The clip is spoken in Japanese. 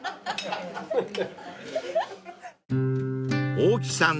［大木さん